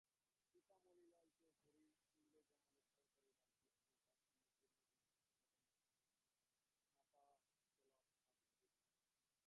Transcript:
পিতা মতিলাল চৌধুরী ইংরেজ আমলে সরকারি ডাক বিভাগে কাজ নিয়ে দীর্ঘদিন মেসোপটেমিয়ায় ছিলেন; মাতা গোলাপকামিনীদেবী।